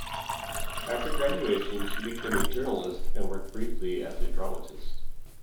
After graduation she became a journalist and worked briefly as a dramatist.